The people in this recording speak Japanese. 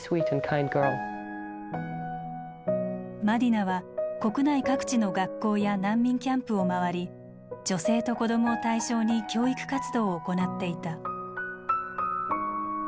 マディナは国内各地の学校や難民キャンプを回り女性と子供を対象に教育活動を行っていた。